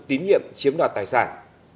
tín nhiệm chiếm đoạt tài sản